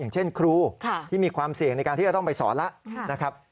อย่างเช่นครูที่มีความเสี่ยงในการที่จะต้องไปสอนละ